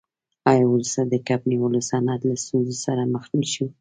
آیا وروسته د کب نیولو صنعت له ستونزو سره مخ نشو؟